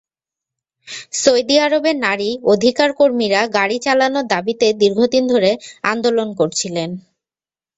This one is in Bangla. সৌদি আরবের নারী অধিকারকর্মীরা গাড়ি চালানোর দাবিতে দীর্ঘদিন ধরে আন্দোলন করছিলেন।